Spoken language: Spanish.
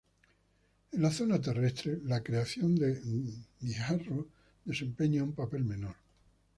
En la zona terrestre, la acreción de guijarros desempeña un papel menor.